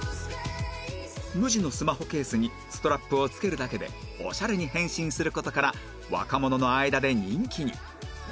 無地のスマホケースにストラップをつけるだけでオシャレに変身する事から若者の間で人気に